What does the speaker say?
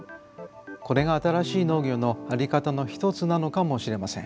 これが新しい農業のあり方の一つなのかもしれません。